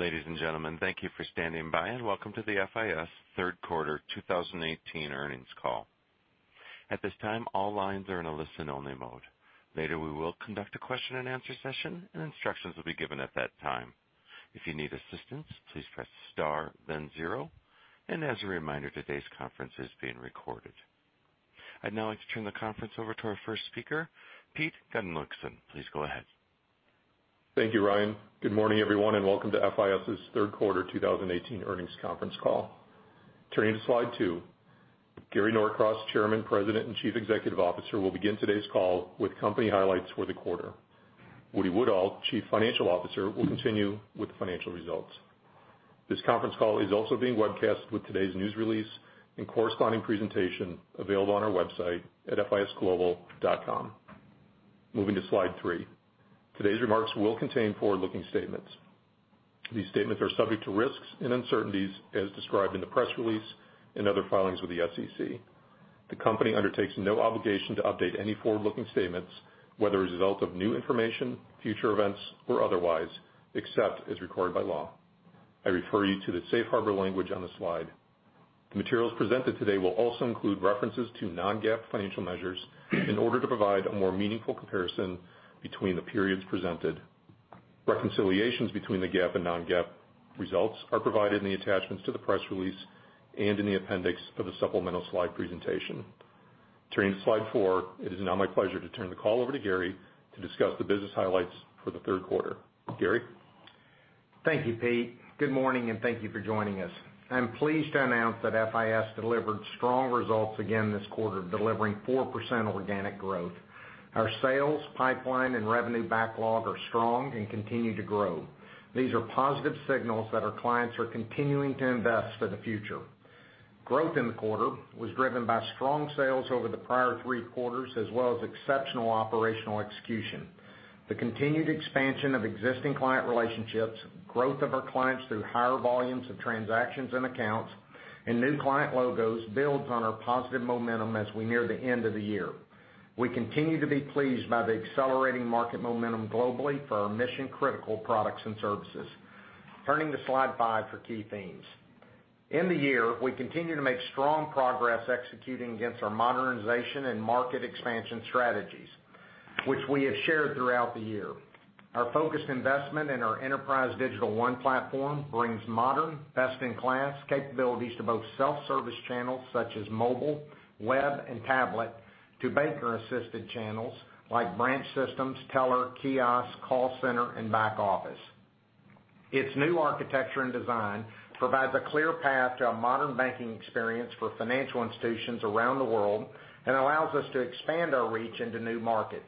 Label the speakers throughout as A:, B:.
A: Ladies and gentlemen, thank you for standing by, and welcome to the FIS Third Quarter 2018 Earnings Call. At this time, all lines are in a listen-only mode. Later, we will conduct a question-and-answer session, and instructions will be given at that time. If you need assistance, please press star then zero. As a reminder, today's conference is being recorded. I'd now like to turn the conference over to our first speaker, Peter Gunnlaugsson. Please go ahead.
B: Thank you, Ryan. Good morning, everyone, and welcome to FIS's Third Quarter 2018 Earnings Conference Call. Turning to Slide two. Gary Norcross, Chairman, President, and Chief Executive Officer, will begin today's call with company highlights for the quarter. James Woodall, Chief Financial Officer, will continue with the financial results. This conference call is also being webcast with today's news release and corresponding presentation available on our website at fisglobal.com. Moving to Slide three. Today's remarks will contain forward-looking statements. These statements are subject to risks and uncertainties as described in the press release and other filings with the SEC. The company undertakes no obligation to update any forward-looking statements, whether as a result of new information, future events, or otherwise, except as required by law. I refer you to the safe harbor language on the slide. The materials presented today will also include references to non-GAAP financial measures in order to provide a more meaningful comparison between the periods presented. Reconciliations between the GAAP and non-GAAP results are provided in the attachments to the press release and in the appendix of the supplemental slide presentation. Turning to Slide four. It is now my pleasure to turn the call over to Gary to discuss the business highlights for the third quarter. Gary?
C: Thank you, Pete. Good morning, and thank you for joining us. I'm pleased to announce that FIS delivered strong results again this quarter, delivering 4% organic growth. Our sales pipeline and revenue backlog are strong and continue to grow. These are positive signals that our clients are continuing to invest for the future. Growth in the quarter was driven by strong sales over the prior three quarters as well as exceptional operational execution. The continued expansion of existing client relationships, growth of our clients through higher volumes of transactions and accounts, and new client logos builds on our positive momentum as we near the end of the year. We continue to be pleased by the accelerating market momentum globally for our mission-critical products and services. Turning to Slide five for key themes. In the year, we continue to make strong progress executing against our modernization and market expansion strategies, which we have shared throughout the year. Our focused investment in our enterprise Digital One platform brings modern, best-in-class capabilities to both self-service channels such as mobile, web, and tablet to banker-assisted channels like branch systems, teller, kiosk, call center, and back office. Its new architecture and design provides a clear path to a modern banking experience for financial institutions around the world and allows us to expand our reach into new markets.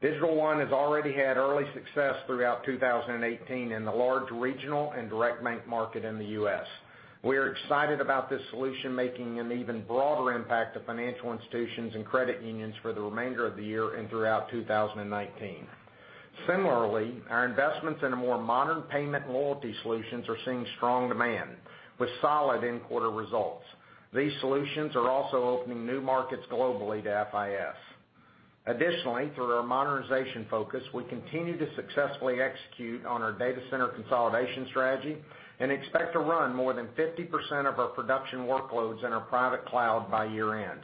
C: Digital One has already had early success throughout 2018 in the large regional and direct bank market in the U.S. We are excited about this solution making an even broader impact to financial institutions and credit unions for the remainder of the year and throughout 2019. Similarly, our investments in a more modern payment and loyalty solutions are seeing strong demand with solid in-quarter results. These solutions are also opening new markets globally to FIS. Additionally, through our modernization focus, we continue to successfully execute on our data center consolidation strategy and expect to run more than 50% of our production workloads in our private cloud by year-end.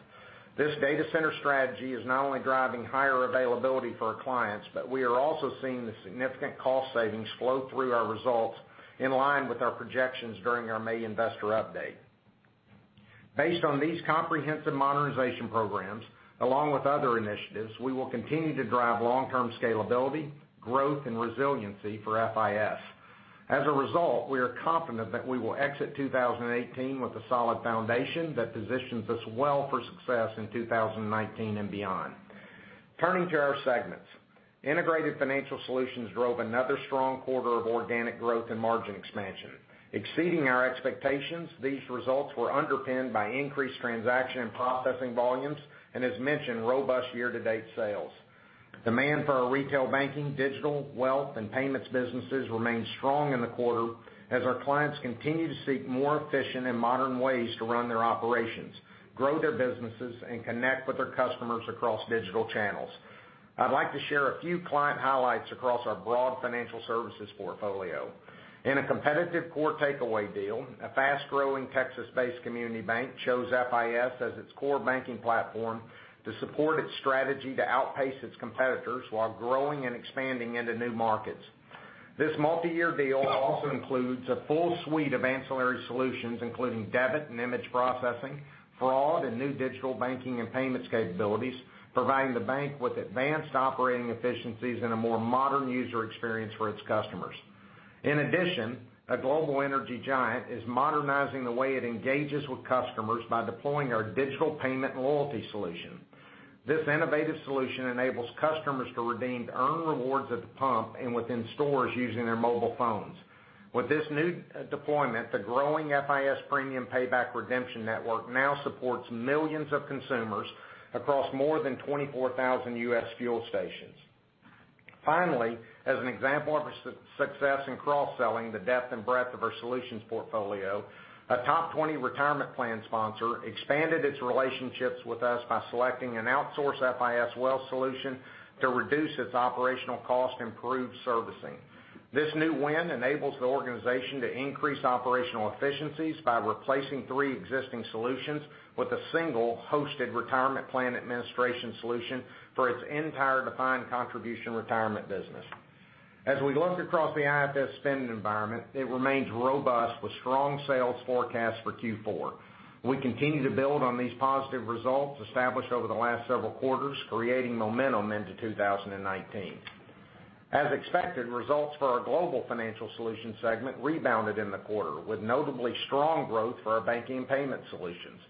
C: This data center strategy is not only driving higher availability for our clients, but we are also seeing the significant cost savings flow through our results in line with our projections during our May investor update. Based on these comprehensive modernization programs, along with other initiatives, we will continue to drive long-term scalability, growth, and resiliency for FIS. As a result, we are confident that we will exit 2018 with a solid foundation that positions us well for success in 2019 and beyond. Turning to our segments. Integrated Financial Solutions drove another strong quarter of organic growth and margin expansion. Exceeding our expectations, these results were underpinned by increased transaction and processing volumes and, as mentioned, robust year-to-date sales. Demand for our retail banking, digital, wealth, and payments businesses remained strong in the quarter as our clients continue to seek more efficient and modern ways to run their operations, grow their businesses, and connect with their customers across digital channels. I'd like to share a few client highlights across our broad financial services portfolio. In a competitive core takeaway deal, a fast-growing Texas-based community bank chose FIS as its core banking platform to support its strategy to outpace its competitors while growing and expanding into new markets. This multi-year deal also includes a full suite of ancillary solutions, including debit and image processing, fraud, and new digital banking and payments capabilities, providing the bank with advanced operating efficiencies and a more modern user experience for its customers. In addition, a global energy giant is modernizing the way it engages with customers by deploying our digital payment and loyalty solution. This innovative solution enables customers to redeem earned rewards at the pump and within stores using their mobile phones. With this new deployment, the growing FIS Premium Payback redemption network now supports millions of consumers across more than 24,000 U.S. fuel stations. As an example of success in cross-selling the depth and breadth of our solutions portfolio, a top 20 retirement plan sponsor expanded its relationships with us by selecting an outsource FIS wealth solution to reduce its operational cost, improve servicing. This new win enables the organization to increase operational efficiencies by replacing 3 existing solutions with a single hosted retirement plan administration solution for its entire defined contribution retirement business. As we look across the IFS spending environment, it remains robust with strong sales forecasts for Q4. We continue to build on these positive results established over the last several quarters, creating momentum into 2019. As expected, results for our Global Financial Solutions segment rebounded in the quarter, with notably strong growth for our banking and payment solutions.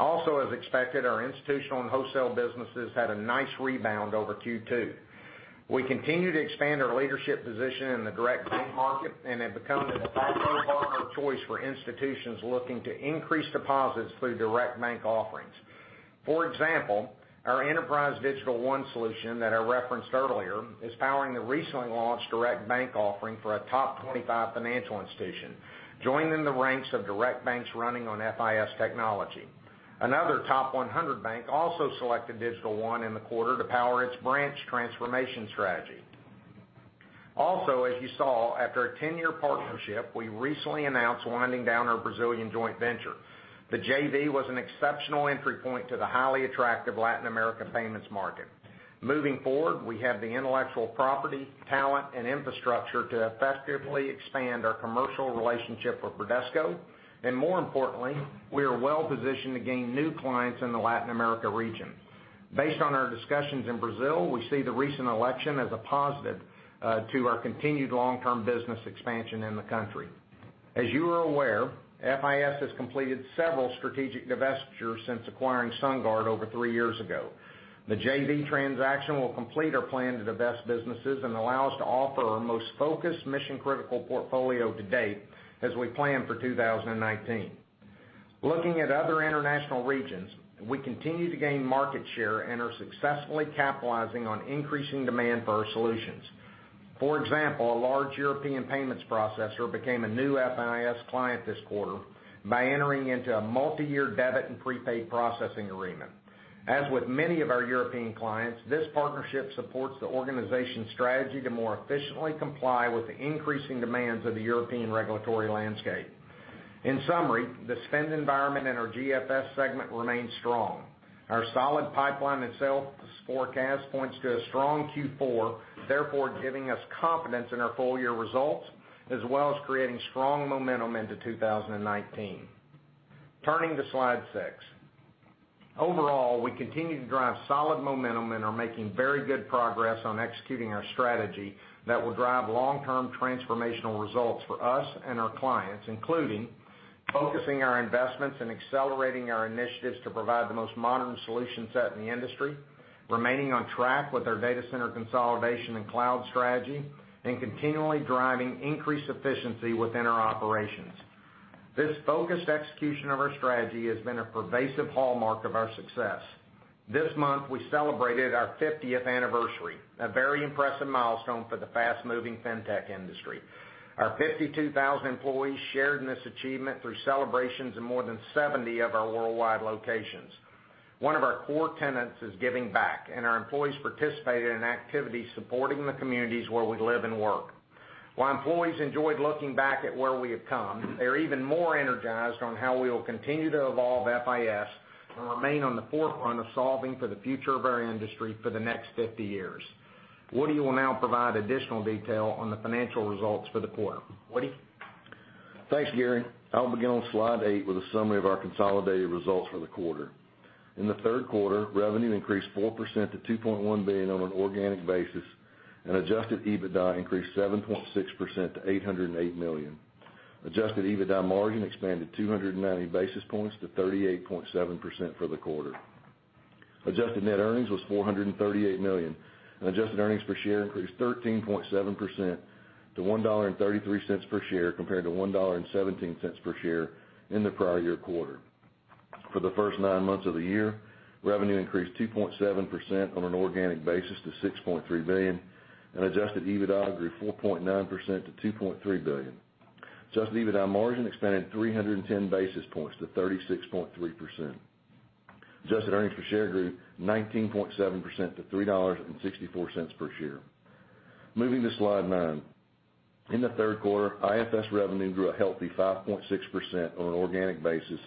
C: Also, as expected, our institutional and wholesale businesses had a nice rebound over Q2. We continue to expand our leadership position in the direct bank market and have become the de facto partner of choice for institutions looking to increase deposits through direct bank offerings. For example, our enterprise Digital One solution that I referenced earlier is powering the recently launched direct bank offering for a top 25 financial institution, joining the ranks of direct banks running on FIS technology. Another top 100 bank also selected Digital One in the quarter to power its branch transformation strategy. As you saw, after a 10-year partnership, we recently announced winding down our Brazilian joint venture. The JV was an exceptional entry point to the highly attractive Latin America payments market. Moving forward, we have the intellectual property, talent, and infrastructure to effectively expand our commercial relationship with Bradesco, and more importantly, we are well-positioned to gain new clients in the Latin America region. Based on our discussions in Brazil, we see the recent election as a positive to our continued long-term business expansion in the country. As you are aware, FIS has completed several strategic divestitures since acquiring SunGard over 3 years ago. The JV transaction will complete our plan to divest businesses and allow us to offer our most focused mission-critical portfolio to date as we plan for 2019. Looking at other international regions, we continue to gain market share and are successfully capitalizing on increasing demand for our solutions. For example, a large European payments processor became a new FIS client this quarter by entering into a multi-year debit and prepaid processing agreement. As with many of our European clients, this partnership supports the organization's strategy to more efficiently comply with the increasing demands of the European regulatory landscape. In summary, the spend environment in our GFS segment remains strong. Our solid pipeline and sales forecast points to a strong Q4, therefore giving us confidence in our full-year results, as well as creating strong momentum into 2019. Turning to slide six. Overall, we continue to drive solid momentum and are making very good progress on executing our strategy that will drive long-term transformational results for us and our clients, including focusing our investments and accelerating our initiatives to provide the most modern solution set in the industry, remaining on track with our data center consolidation and cloud strategy, and continually driving increased efficiency within our operations. This focused execution of our strategy has been a pervasive hallmark of our success. This month, we celebrated our 50th anniversary, a very impressive milestone for the fast-moving fintech industry. Our 52,000 employees shared in this achievement through celebrations in more than 70 of our worldwide locations. One of our core tenets is giving back, and our employees participated in activities supporting the communities where we live and work. While employees enjoyed looking back at where we have come, they're even more energized on how we will continue to evolve FIS and remain on the forefront of solving for the future of our industry for the next 50 years. Woody will now provide additional detail on the financial results for the quarter. Woody?
D: Thanks, Gary. I'll begin on slide eight with a summary of our consolidated results for the quarter. In the third quarter, revenue increased 4% to $2.1 billion on an organic basis, and adjusted EBITDA increased 7.6% to $808 million. Adjusted EBITDA margin expanded 290 basis points to 38.7% for the quarter. Adjusted net earnings was $438 million, and adjusted earnings per share increased 13.7% to $1.33 per share, compared to $1.17 per share in the prior year quarter. For the first nine months of the year, revenue increased 2.7% on an organic basis to $6.3 billion, and adjusted EBITDA grew 4.9% to $2.3 billion. Adjusted EBITDA margin expanded 310 basis points to 36.3%. Adjusted earnings per share grew 19.7% to $3.64 per share. Moving to slide nine. In the third quarter, IFS revenue grew a healthy 5.6% on an organic basis,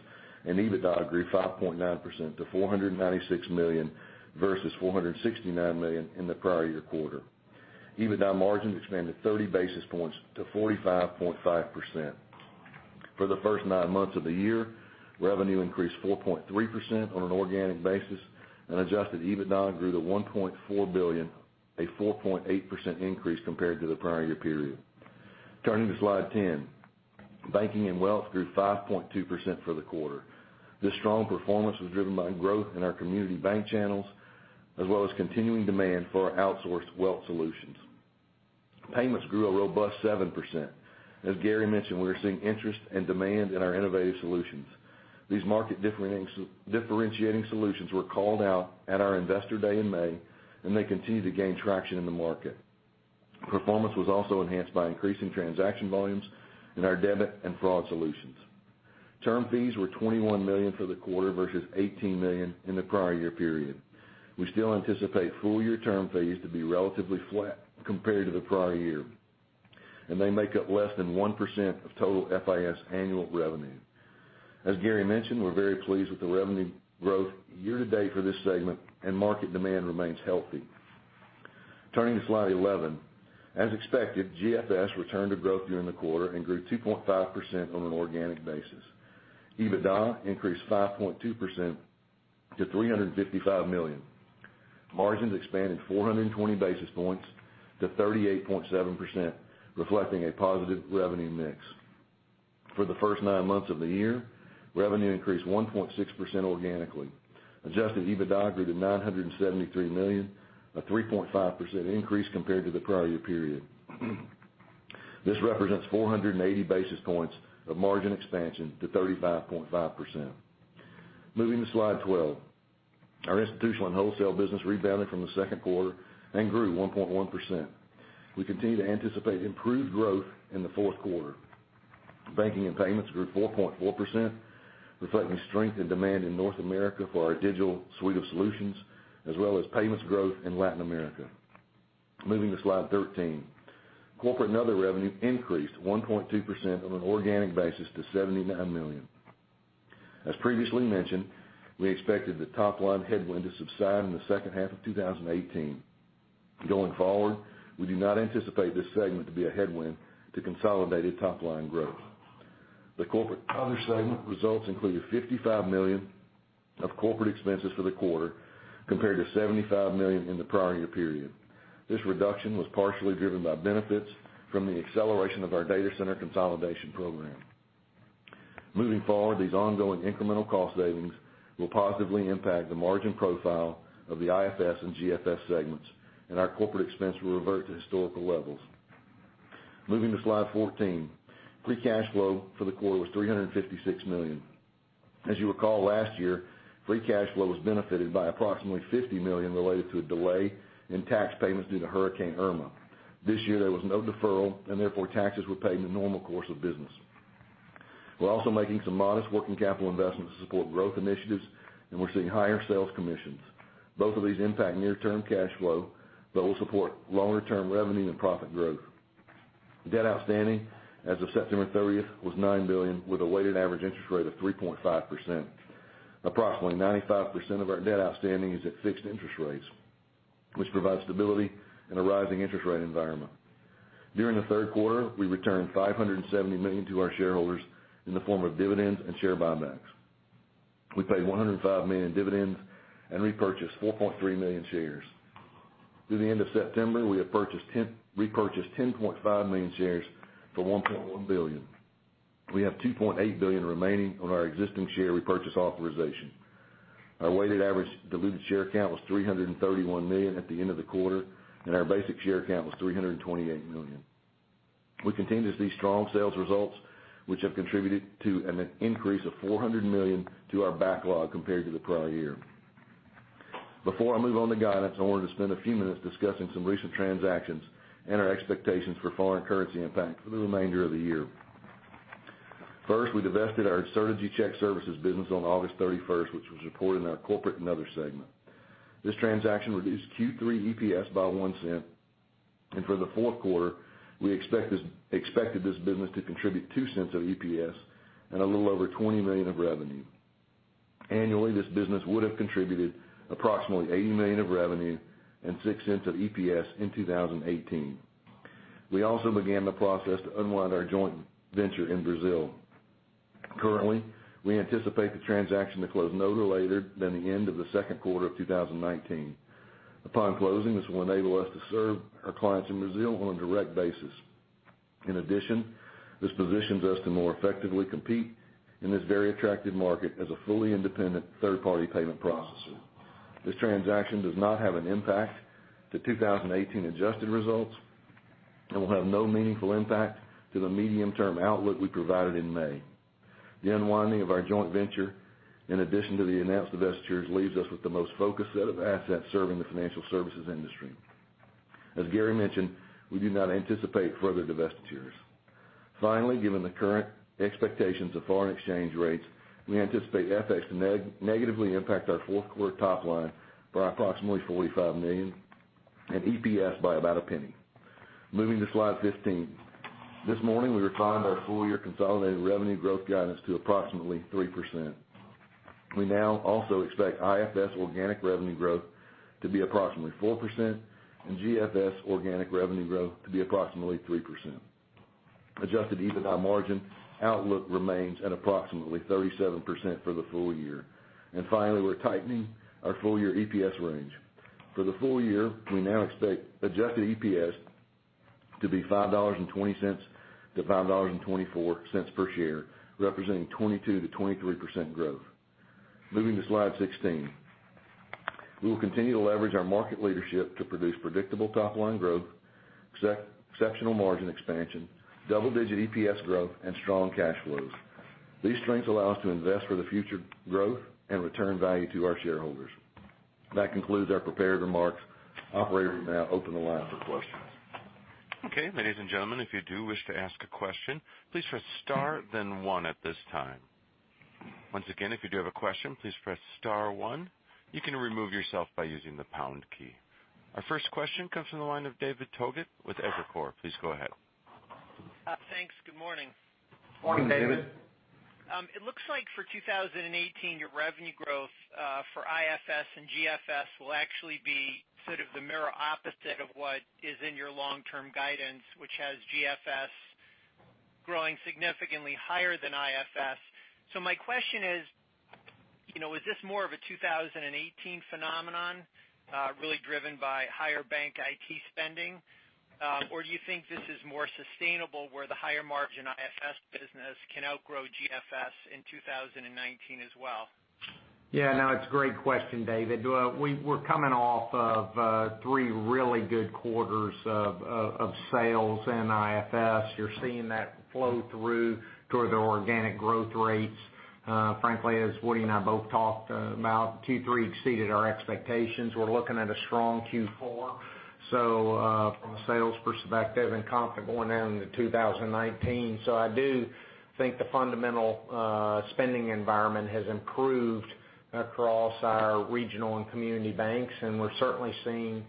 D: and EBITDA grew 5.9% to $496 million versus $469 million in the prior year quarter. EBITDA margin expanded 30 basis points to 45.5%. For the first nine months of the year, revenue increased 4.3% on an organic basis, and adjusted EBITDA grew to $1.4 billion, a 4.8% increase compared to the prior year period. Turning to slide 10. Banking and wealth grew 5.2% for the quarter. This strong performance was driven by growth in our community bank channels as well as continuing demand for our outsourced wealth solutions. Payments grew a robust 7%. As Gary mentioned, we are seeing interest and demand in our innovative solutions. These market-differentiating solutions were called out at our investor day in May, and they continue to gain traction in the market. Performance was also enhanced by increasing transaction volumes in our debit and fraud solutions. Term fees were $21 million for the quarter versus $18 million in the prior year period. We still anticipate full-year term fees to be relatively flat compared to the prior year, and they make up less than 1% of total FIS annual revenue. As Gary mentioned, we're very pleased with the revenue growth year-to-date for this segment and market demand remains healthy. Turning to slide 11. As expected, GFS returned to growth during the quarter and grew 2.5% on an organic basis. EBITDA increased 5.2% to $355 million. Margins expanded 420 basis points to 38.7%, reflecting a positive revenue mix. For the first nine months of the year, revenue increased 1.6% organically. Adjusted EBITDA grew to $973 million, a 3.5% increase compared to the prior year period. This represents 480 basis points of margin expansion to 35.5%. Moving to slide 12. Our institutional and wholesale business rebounded from the second quarter and grew 1.1%. We continue to anticipate improved growth in the fourth quarter. Banking and payments grew 4.4%, reflecting strength and demand in North America for our digital suite of solutions, as well as payments growth in Latin America. Moving to slide 13. Corporate and other revenue increased 1.2% on an organic basis to $79 million. As previously mentioned, we expected the top-line headwind to subside in the second half of 2018. Going forward, we do not anticipate this segment to be a headwind to consolidated top-line growth. The corporate other segment results included $55 million of corporate expenses for the quarter compared to $75 million in the prior year period. This reduction was partially driven by benefits from the acceleration of our data center consolidation program. Moving forward, these ongoing incremental cost savings will positively impact the margin profile of the IFS and GFS segments, and our corporate expense will revert to historical levels. Moving to slide 14. Free cash flow for the quarter was $356 million. As you recall, last year, free cash flow was benefited by approximately $50 million related to a delay in tax payments due to Hurricane Irma. This year, there was no deferral and therefore taxes were paid in the normal course of business. We are also making some modest working capital investments to support growth initiatives, and we are seeing higher sales commissions. Both of these impact near-term cash flow, but will support longer-term revenue and profit growth. Debt outstanding as of September 30th was $9 billion with a weighted average interest rate of 3.5%. Approximately 95% of our debt outstanding is at fixed interest rates, which provide stability in a rising interest rate environment. During the third quarter, we returned $570 million to our shareholders in the form of dividends and share buybacks. We paid $105 million in dividends and repurchased 4.3 million shares. Through the end of September, we have repurchased 10.5 million shares for $1.1 billion. We have $2.8 billion remaining on our existing share repurchase authorization. Our weighted average diluted share count was 331 million at the end of the quarter, and our basic share count was 328 million. We continue to see strong sales results, which have contributed to an increase of $400 million to our backlog compared to the prior year. Before I move on to guidance, I wanted to spend a few minutes discussing some recent transactions and our expectations for foreign currency impact for the remainder of the year. First, we divested our Certegy Check Services business on August 31st, which was reported in our corporate and other segment. This transaction reduced Q3 EPS by $0.01, and for the fourth quarter, we expected this business to contribute $0.02 of EPS and a little over $20 million of revenue. Annually, this business would have contributed approximately $80 million of revenue and $0.06 of EPS in 2018. We also began the process to unwind our joint venture in Brazil. Currently, we anticipate the transaction to close no later than the end of the second quarter of 2019. Upon closing, this will enable us to serve our clients in Brazil on a direct basis. In addition, this positions us to more effectively compete in this very attractive market as a fully independent third-party payment processor. This transaction does not have an impact to 2018 adjusted results and will have no meaningful impact to the medium-term outlook we provided in May. The unwinding of our joint venture, in addition to the announced divestitures, leaves us with the most focused set of assets serving the financial services industry. As Gary mentioned, we do not anticipate further divestitures. Finally, given the current expectations of foreign exchange rates, we anticipate FX to negatively impact our fourth quarter top line by approximately $45 million and EPS by about $0.01. Moving to slide 15. This morning, we refined our full-year consolidated revenue growth guidance to approximately 3%. We now also expect IFS organic revenue growth to be approximately 4% and GFS organic revenue growth to be approximately 3%. Adjusted EBITDA margin outlook remains at approximately 37% for the full year. Finally, we're tightening our full-year EPS range. For the full year, we now expect adjusted EPS to be $5.20-$5.24 per share, representing 22%-23% growth. Moving to slide 16. We will continue to leverage our market leadership to produce predictable top-line growth, exceptional margin expansion, double-digit EPS growth, and strong cash flows. These strengths allow us to invest for the future growth and return value to our shareholders. That concludes our prepared remarks. Operator, you may now open the line for questions.
A: Okay, ladies and gentlemen, if you do wish to ask a question, please press star then one at this time. Once again, if you do have a question, please press star one. You can remove yourself by using the pound key. Our first question comes from the line of David Togut with Evercore. Please go ahead.
E: Thanks. Good morning.
D: Morning, David.
E: It looks like for 2018, your revenue growth for IFS and GFS will actually be sort of the mirror opposite of what is in your long-term guidance, which has GFS growing significantly higher than IFS. My question is this more of a 2018 phenomenon really driven by higher bank IT spending? Or do you think this is more sustainable, where the higher margin IFS business can outgrow GFS in 2019 as well?
C: It's a great question, David. We're coming off of three really good quarters of sales in IFS. You're seeing that flow through to the organic growth rates. Frankly, as Woody and I both talked about, Q3 exceeded our expectations. We're looking at a strong Q4, from a sales perspective and confident going into 2019. I do think the fundamental spending environment has improved across our regional and community banks, and we're certainly seeing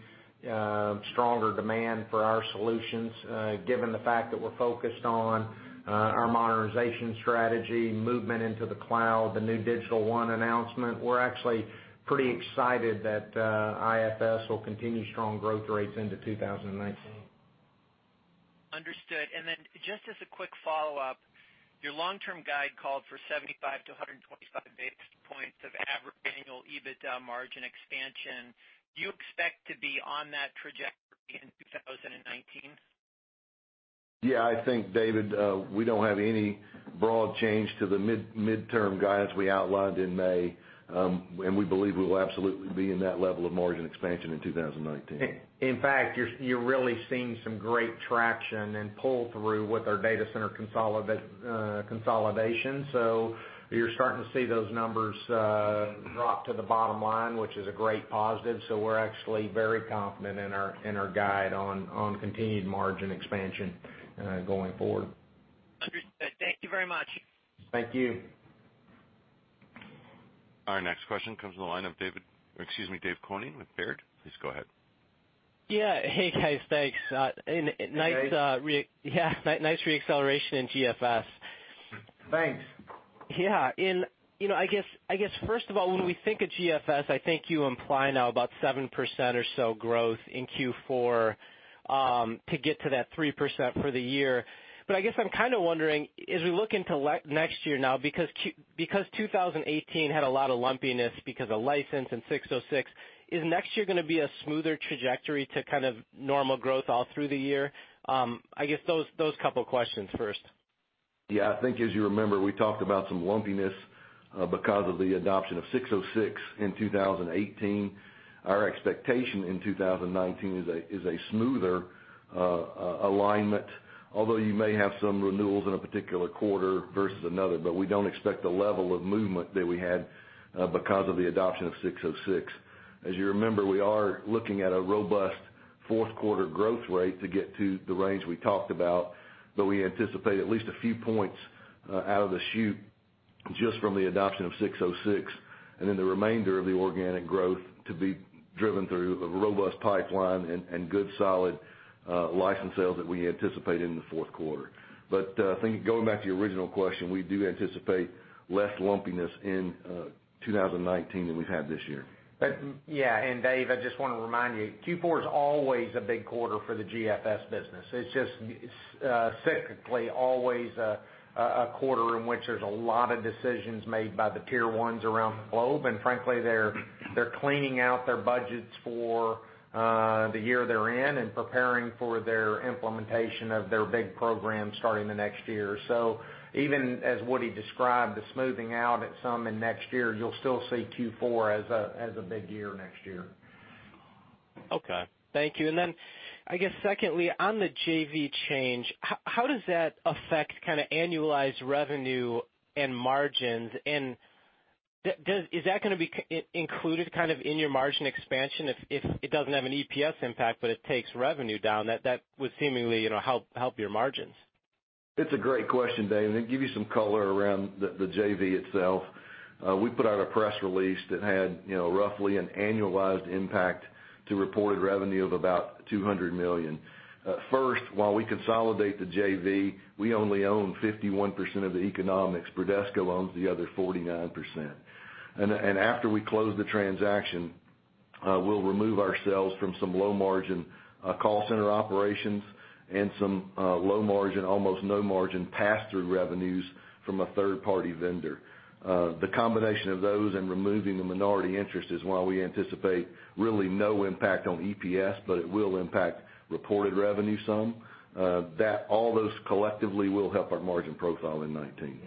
C: stronger demand for our solutions, given the fact that we're focused on our modernization strategy, movement into the cloud, the new Digital One announcement. We're actually pretty excited that IFS will continue strong growth rates into 2019.
E: Understood. Just as a quick follow-up, your long-term guide called for 75-125 basis points of average annual EBITDA margin expansion. Do you expect to be on that trajectory in 2019?
D: Yeah, I think, David, we don't have any broad change to the midterm guidance we outlined in May. We believe we will absolutely be in that level of margin expansion in 2019.
C: In fact, you're really seeing some great traction and pull-through with our data center consolidation. You're starting to see those numbers drop to the bottom line, which is a great positive. We're actually very confident in our guide on continued margin expansion going forward.
E: Understood. Thank you very much.
D: Thank you.
A: Our next question comes from the line of David, excuse me, David Koning with Baird. Please go ahead.
F: Yeah. Hey, guys. Thanks.
D: Hey, Dave.
F: Yeah. Nice re-acceleration in GFS.
D: Thanks.
F: Yeah. I guess, first of all, when we think of GFS, I think you imply now about 7% or so growth in Q4 to get to that 3% for the year. I guess I'm kind of wondering, as we look into next year now, because 2018 had a lot of lumpiness because of license and 606, is next year going to be a smoother trajectory to kind of normal growth all through the year? I guess those couple of questions first.
D: Yeah, I think as you remember, we talked about some lumpiness because of the adoption of 606 in 2018. Our expectation in 2019 is a smoother alignment. Although you may have some renewals in a particular quarter versus another, but we don't expect the level of movement that we had because of the adoption of 606. As you remember, we are looking at a robust fourth quarter growth rate to get to the range we talked about, but we anticipate at least a few points out of the chute just from the adoption of 606, and then the remainder of the organic growth to be driven through a robust pipeline and good solid license sales that we anticipate in the fourth quarter. I think going back to your original question, we do anticipate less lumpiness in 2019 than we've had this year.
C: Yeah. Dave, I just want to remind you, Q4 is always a big quarter for the GFS business. It's just cyclically always a quarter in which there's a lot of decisions made by the tier 1s around the globe, and frankly, they're cleaning out their budgets for the year they're in and preparing for their implementation of their big programs starting the next year. Even as Woody described the smoothing out at some in next year, you'll still see Q4 as a big year next year.
F: Okay. Thank you. I guess secondly, on the JV change, how does that affect annualized revenue and margins? Is that going to be included in your margin expansion if it doesn't have an EPS impact, but it takes revenue down, that would seemingly help your margins?
D: It's a great question, Dave. To give you some color around the JV itself. We put out a press release that had roughly an annualized impact to reported revenue of about $200 million. First, while we consolidate the JV, we only own 51% of the economics. Bradesco owns the other 49%. After we close the transaction, we'll remove ourselves from some low-margin call center operations and some low-margin, almost no margin, pass-through revenues from a third-party vendor. The combination of those and removing the minority interest is why we anticipate really no impact on EPS, but it will impact reported revenue some. All those collectively will help our margin profile in 2019.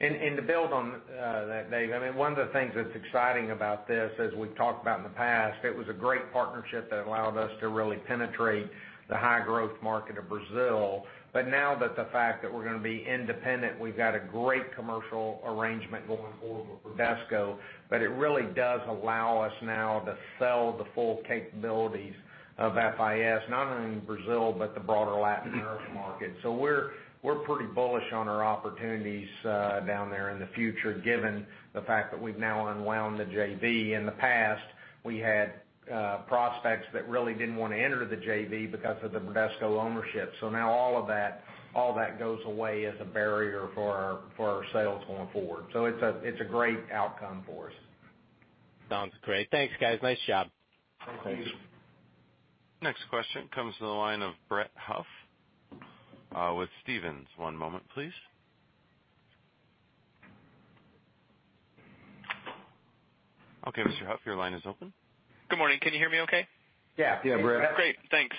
C: To build on that, Dave, one of the things that's exciting about this, as we've talked about in the past, it was a great partnership that allowed us to really penetrate the high-growth market of Brazil. Now that the fact that we're going to be independent, we've got a great commercial arrangement going forward with Bradesco, but it really does allow us now to sell the full capabilities of FIS, not only in Brazil, but the broader Latin America market. We're pretty bullish on our opportunities down there in the future, given the fact that we've now unwound the JV. In the past, we had prospects that really didn't want to enter the JV because of the Bradesco ownership. Now all of that goes away as a barrier for our sales going forward. It's a great outcome for us.
F: Sounds great. Thanks, guys. Nice job.
C: Thank you.
A: Next question comes to the line of Brett Huff, with Stephens. One moment please. Okay, Mr. Huff, your line is open.
G: Good morning. Can you hear me okay?
C: Yeah.
D: Yeah, Brett.
G: Great. Thanks.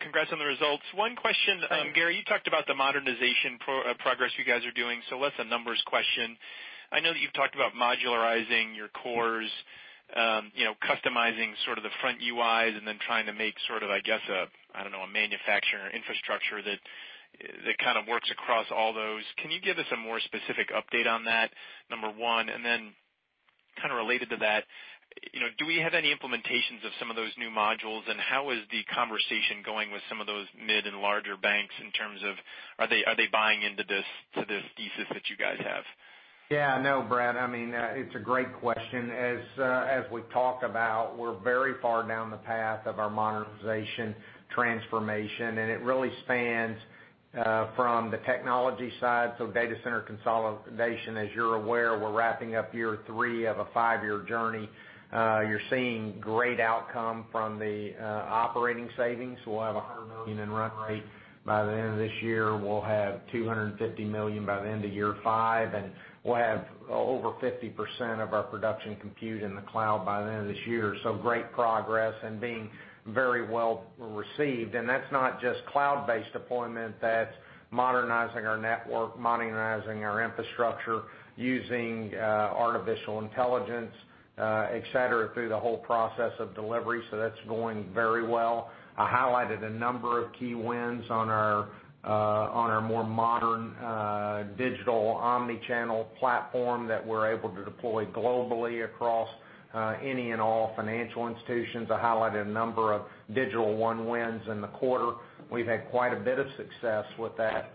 G: Congrats on the results. One question. Gary, you talked about the modernization progress you guys are doing, so less a numbers question. I know that you've talked about modularizing your cores, customizing sort of the front UIs and then trying to make sort of, I guess, I don't know, a manufacturer infrastructure that kind of works across all those. Can you give us a more specific update on that, number 1? Kind of related to that, do we have any implementations of some of those new modules? How is the conversation going with some of those mid and larger banks in terms of are they buying into this thesis that you guys have?
C: Yeah. No, Brett, it's a great question. As we've talked about, we're very far down the path of our modernization transformation, and it really spans from the technology side. Data center consolidation, as you're aware, we're wrapping up year three of a five-year journey. You're seeing great outcome from the operating savings. We'll have $100 million in run rate by the end of this year. We'll have $250 million by the end of year five, and we'll have over 50% of our production compute in the cloud by the end of this year. Great progress and being very well received. That's not just cloud-based deployment, that's modernizing our network, modernizing our infrastructure, using artificial intelligence, et cetera, through the whole process of delivery. That's going very well. I highlighted a number of key wins on our more modern digital omni-channel platform that we're able to deploy globally across any and all financial institutions. I highlighted a number of Digital One wins in the quarter. We've had quite a bit of success with that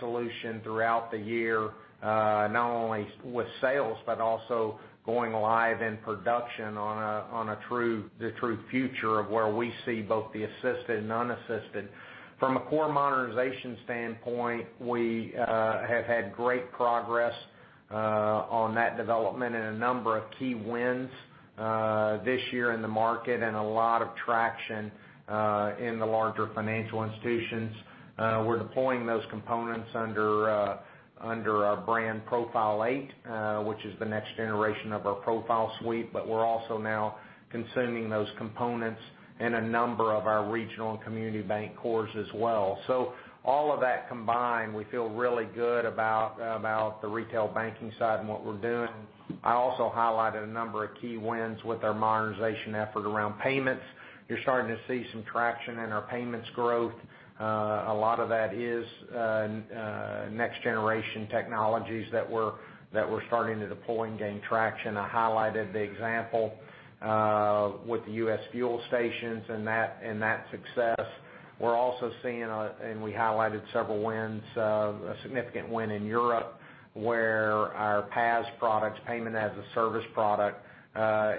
C: solution throughout the year. Not only with sales, but also going live in production on the true future of where we see both the assisted and unassisted. From a core modernization standpoint, we have had great progress on that development and a number of key wins this year in the market and a lot of traction in the larger financial institutions. We're deploying those components under our brand Profile 8, which is the next generation of our Profile suite. We're also now consuming those components in a number of our regional and community bank cores as well. All of that combined, we feel really good about the retail banking side and what we're doing. I also highlighted a number of key wins with our modernization effort around payments. You're starting to see some traction in our payments growth. A lot of that is next-generation technologies that we're starting to deploy and gain traction. I highlighted the example with the U.S. fuel stations and that success. We're also seeing, and we highlighted several wins, a significant win in Europe where our PaaS products, Payment as a Service product,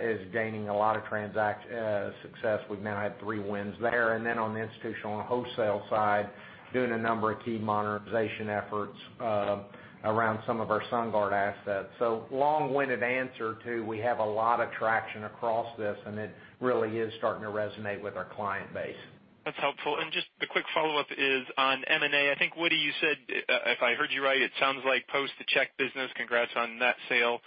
C: is gaining a lot of success. We've now had three wins there. On the institutional and wholesale side, doing a number of key modernization efforts around some of our SunGard assets. Long-winded answer to, we have a lot of traction across this, and it really is starting to resonate with our client base.
G: That's helpful. Just a quick follow-up is on M&A. I think, Woody, you said, if I heard you right, it sounds like post the Check business. Congrats on that sale.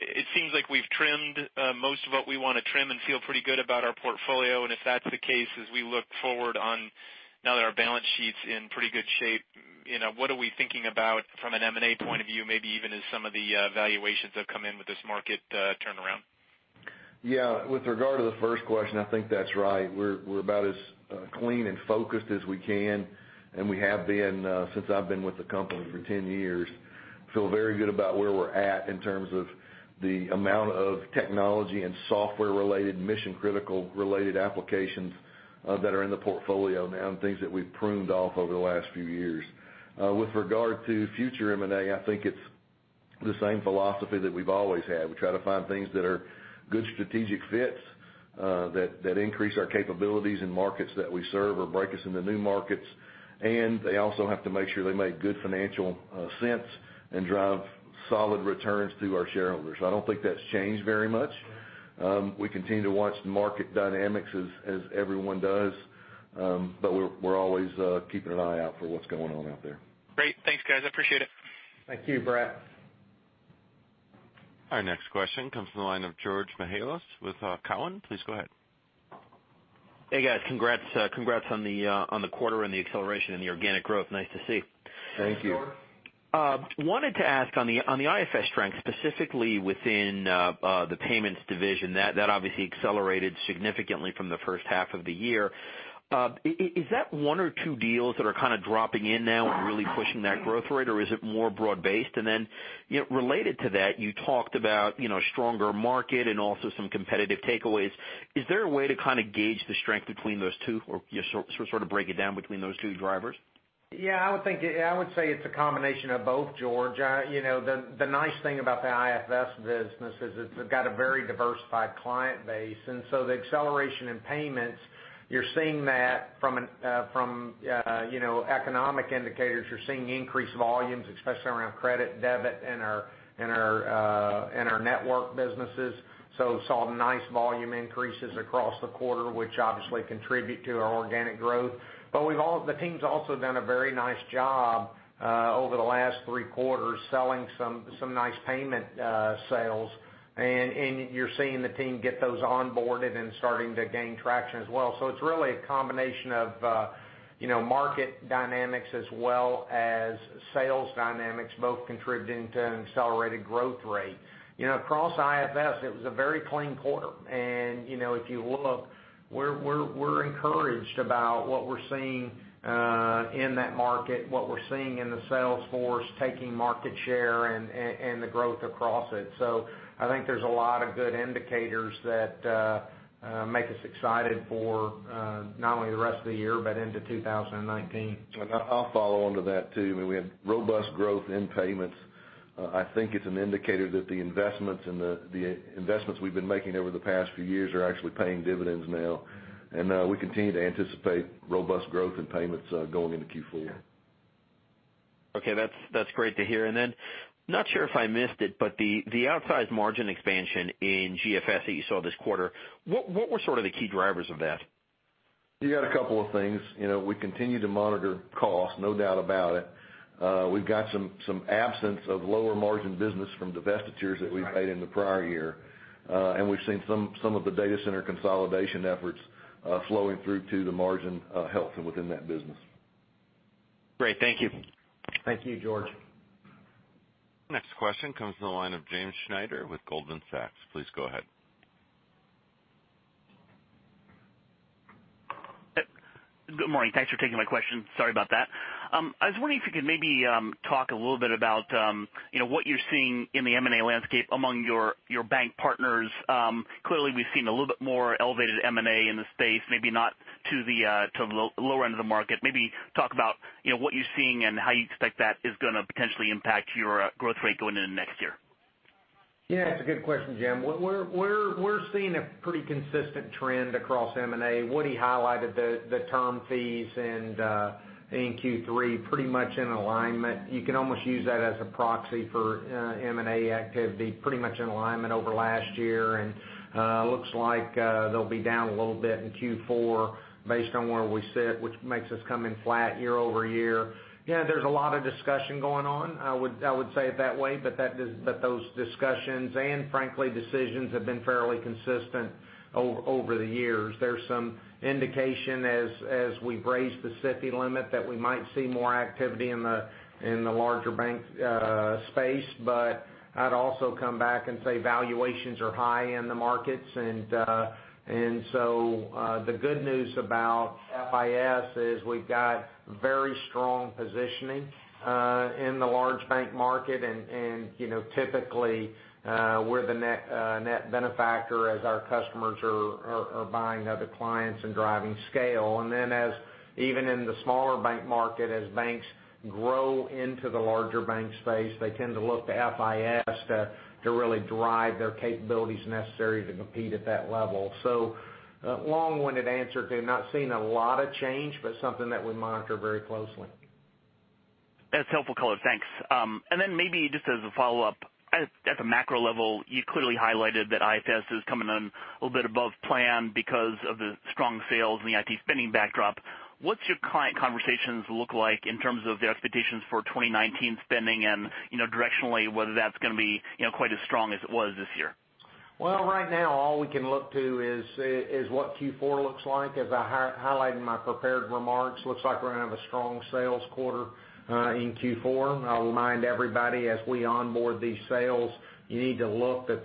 G: It seems like we've trimmed most of what we want to trim and feel pretty good about our portfolio. If that's the case, as we look forward on now that our balance sheet's in pretty good shape, what are we thinking about from an M&A point of view, maybe even as some of the valuations have come in with this market turnaround?
D: With regard to the first question, I think that's right. We're about as clean and focused as we can, and we have been since I've been with the company for 10 years. Feel very good about where we're at in terms of the amount of technology and software-related, mission-critical-related applications that are in the portfolio now, and things that we've pruned off over the last few years. With regard to future M&A, I think it's the same philosophy that we've always had. We try to find things that are good strategic fits, that increase our capabilities in markets that we serve or break us into new markets. They also have to make sure they make good financial sense and drive solid returns to our shareholders. I don't think that's changed very much. We continue to watch market dynamics, as everyone does. We're always keeping an eye out for what's going on out there.
G: Great. Thanks, guys. I appreciate it.
C: Thank you, Brett.
A: Our next question comes from the line of George Mihalos with Cowen. Please go ahead.
H: Hey, guys. Congrats on the quarter and the acceleration in the organic growth. Nice to see.
C: Thank you.
H: Wanted to ask on the IFS strength, specifically within the payments division. That obviously accelerated significantly from the first half of the year. Is that one or two deals that are kind of dropping in now and really pushing that growth rate, or is it more broad-based? Related to that, you talked about stronger market and also some competitive takeaways. Is there a way to gauge the strength between those two, or just sort of break it down between those two drivers?
C: Yeah, I would say it's a combination of both, George. The nice thing about the IFS business is it's got a very diversified client base. The acceleration in payments, you're seeing that from economic indicators. You're seeing increased volumes, especially around credit, debit in our network businesses. Saw nice volume increases across the quarter, which obviously contribute to our organic growth. The team's also done a very nice job over the last three quarters, selling some nice payment sales. You're seeing the team get those onboarded and starting to gain traction as well. It's really a combination of market dynamics as well as sales dynamics, both contributing to an accelerated growth rate. Across IFS, it was a very clean quarter. If you look, we're encouraged about what we're seeing in that market, what we're seeing in the sales force, taking market share, and the growth across it. I think there's a lot of good indicators that make us excited for not only the rest of the year, but into 2019.
D: I'll follow onto that, too. We had robust growth in payments. I think it's an indicator that the investments we've been making over the past few years are actually paying dividends now. We continue to anticipate robust growth in payments going into Q4.
H: Okay. That's great to hear. Not sure if I missed it, the outsized margin expansion in GFS that you saw this quarter, what were sort of the key drivers of that?
D: You got a couple of things. We continue to monitor costs, no doubt about it. We've got some absence of lower margin business from divestitures that we've made in the prior year. We've seen some of the data center consolidation efforts flowing through to the margin health within that business.
H: Great. Thank you.
C: Thank you, George.
A: Next question comes from the line of James Schneider with Goldman Sachs. Please go ahead.
I: Good morning. Thanks for taking my question. Sorry about that. I was wondering if you could maybe talk a little bit about what you're seeing in the M&A landscape among your bank partners. Clearly, we've seen a little bit more elevated M&A in the space, maybe not to the lower end of the market. Maybe talk about what you're seeing and how you expect that is going to potentially impact your growth rate going into next year.
C: That's a good question, Jim. We're seeing a pretty consistent trend across M&A. Woody highlighted the term fees in Q3 pretty much in alignment. You can almost use that as a proxy for M&A activity, pretty much in alignment over last year. Looks like they'll be down a little bit in Q4 based on where we sit, which makes us come in flat year-over-year. There's a lot of discussion going on, I would say it that way, but those discussions and frankly, decisions, have been fairly consistent over the years. There's some indication as we've raised the SIFI limit, that we might see more activity in the larger bank space. I'd also come back and say valuations are high in the markets. The good news about FIS is we've got very strong positioning in the large bank market, and typically, we're the net benefactor as our customers are buying other clients and driving scale. As even in the smaller bank market, as banks grow into the larger bank space, they tend to look to FIS to really drive their capabilities necessary to compete at that level. Long-winded answer to not seeing a lot of change, but something that we monitor very closely.
I: That's helpful color. Thanks. Maybe just as a follow-up, at the macro level, you clearly highlighted that IFS is coming in a little bit above plan because of the strong sales and the IT spending backdrop. What's your client conversations look like in terms of the expectations for 2019 spending and directionally, whether that's going to be quite as strong as it was this year?
C: Well, right now, all we can look to is what Q4 looks like. As I highlighted in my prepared remarks, looks like we're going to have a strong sales quarter in Q4. I'll remind everybody, as we onboard these sales, you need to look that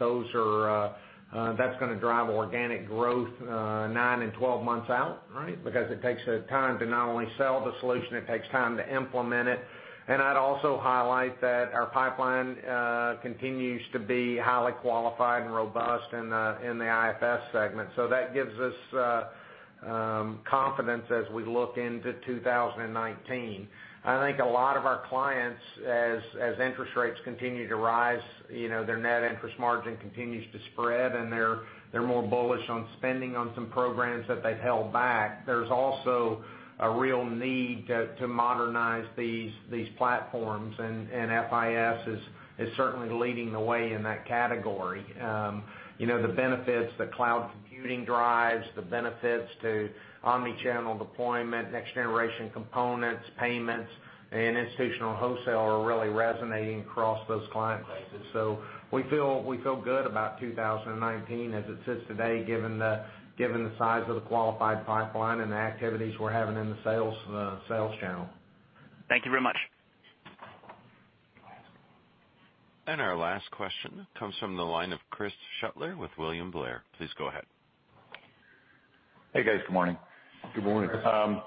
C: that's going to drive organic growth 9 and 12 months out, right? Because it takes time to not only sell the solution, it takes time to implement it. I'd also highlight that our pipeline continues to be highly qualified and robust in the IFS segment. That gives us confidence as we look into 2019. I think a lot of our clients, as interest rates continue to rise, their net interest margin continues to spread, and they're more bullish on spending on some programs that they've held back. There's also a real need to modernize these platforms, FIS is certainly leading the way in that category. The benefits that cloud computing drives, the benefits to omni-channel deployment, next generation components, payments, and institutional wholesale are really resonating across those client bases. We feel good about 2019 as it sits today, given the size of the qualified pipeline and the activities we're having in the sales channel.
I: Thank you very much.
A: Our last question comes from the line of Christ Shutler with William Blair. Please go ahead.
J: Hey, guys. Good morning.
C: Good morning.
J: Can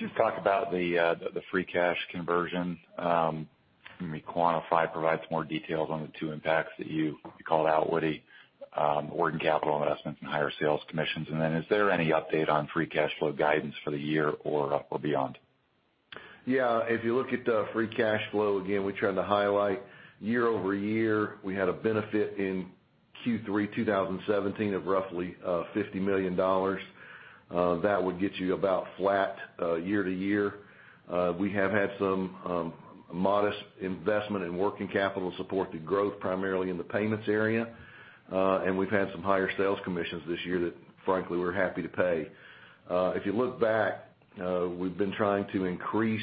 J: you talk about the free cash conversion? Can you quantify, provide some more details on the two impacts that you called out, Woody, working capital investments and higher sales commissions. Then is there any update on free cash flow guidance for the year or beyond?
D: If you look at the free cash flow, again, we tried to highlight year-over-year, we had a benefit in Q3 2017 of roughly $50 million. That would get you about flat year-to-year. We have had some modest investment in working capital to support the growth, primarily in the payments area. We've had some higher sales commissions this year that frankly, we're happy to pay. If you look back, we've been trying to increase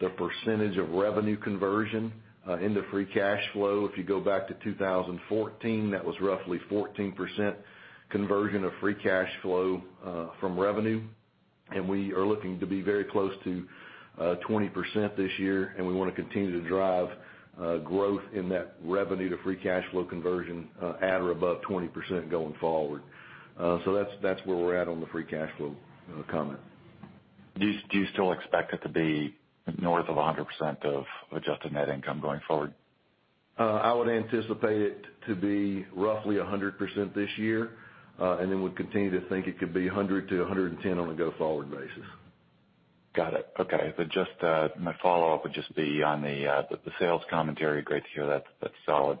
D: the percentage of revenue conversion into free cash flow. If you go back to 2014, that was roughly 14% conversion of free cash flow from revenue. We are looking to be very close to 20% this year, and we want to continue to drive growth in that revenue to free cash flow conversion at or above 20% going forward. That's where we're at on the free cash flow comment.
J: Do you still expect it to be north of 100% of adjusted net income going forward?
D: I would anticipate it to be roughly 100% this year. Then would continue to think it could be 100%-110% on a go-forward basis.
J: Got it. Okay. My follow-up would just be on the sales commentary. Great to hear that's solid.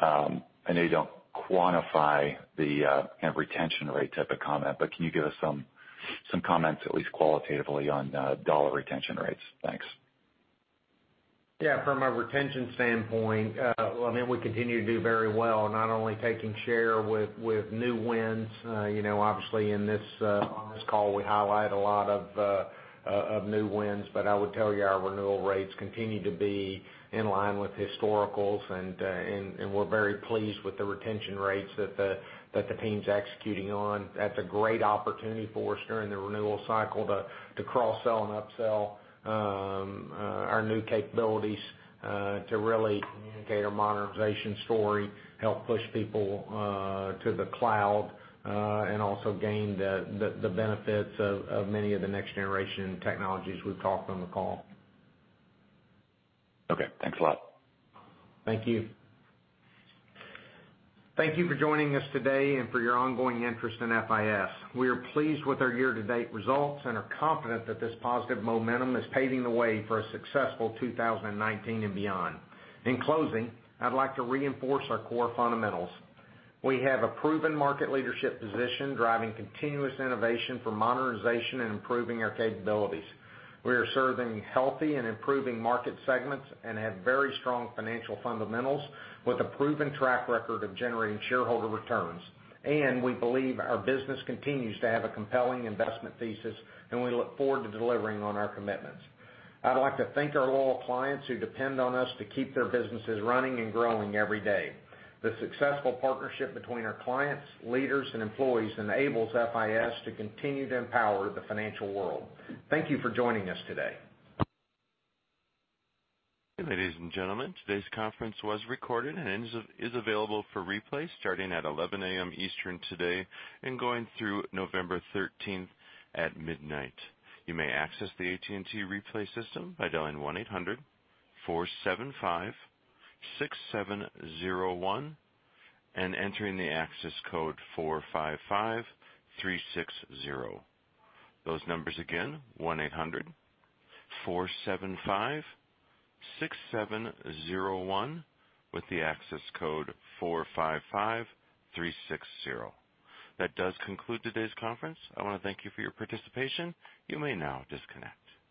J: I know you don't quantify the retention rate type of comment, but can you give us some comments, at least qualitatively, on dollar retention rates? Thanks.
C: Yeah. From a retention standpoint, we continue to do very well, not only taking share with new wins. Obviously on this call we highlight a lot of new wins, but I would tell you our renewal rates continue to be in line with historicals, and we're very pleased with the retention rates that the team's executing on. That's a great opportunity for us during the renewal cycle to cross-sell and up-sell our new capabilities, to really communicate our modernization story, help push people to the cloud, and also gain the benefits of many of the next-generation technologies we've talked on the call.
J: Okay, thanks a lot.
C: Thank you. Thank you for joining us today and for your ongoing interest in FIS. We are pleased with our year-to-date results and are confident that this positive momentum is paving the way for a successful 2019 and beyond. In closing, I'd like to reinforce our core fundamentals. We have a proven market leadership position, driving continuous innovation for modernization and improving our capabilities. We are serving healthy and improving market segments and have very strong financial fundamentals, with a proven track record of generating shareholder returns. We believe our business continues to have a compelling investment thesis, and we look forward to delivering on our commitments. I'd like to thank our loyal clients who depend on us to keep their businesses running and growing every day. The successful partnership between our clients, leaders, and employees enables FIS to continue to empower the financial world. Thank you for joining us today.
A: Ladies and gentlemen, today's conference was recorded and is available for replay starting at 11:00 A.M. Eastern today and going through November 13th at midnight. You may access the AT&T replay system by dialing 1-800-475-6701 and entering the access code 455360. Those numbers again, 1-800-475-6701 with the access code 455360. That does conclude today's conference. I want to thank you for your participation. You may now disconnect.